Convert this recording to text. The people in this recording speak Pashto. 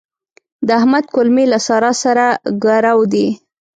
د احمد کولمې له سارا سره ګرو دي.